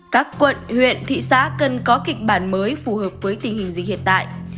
các quận huyện thị xã cần có kịch bản mới phù hợp với tình hình dịch hiện tại